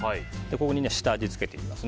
ここに下味を付けていきます。